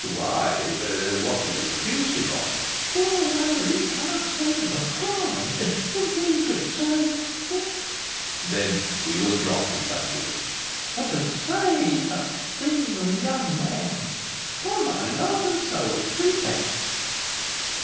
"Why, what do they accuse him of?" "Oh, I really cannot tell you! I can't, indeed; for it is so " "Then we will drop the subject." "And to say such things of a young man! Upon my life and soul, it is too bad."